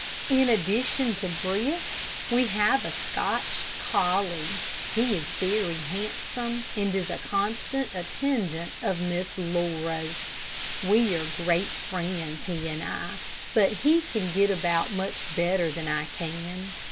In addition to Brisk we have a Scotch collie. He is very handsome, and is a constant attendant of Miss Laura's. We are great friends, he and I, but he can get about much better than I can.